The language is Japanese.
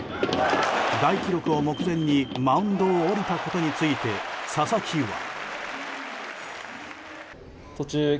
大記録を目前にマウンドを降りたことについて佐々木は。